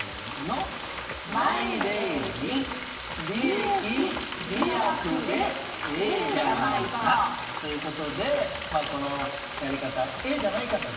「参礼寺利益×利益でええじゃないか」。ということで、このやり方ええじゃないかと。